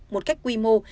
một cách quy mô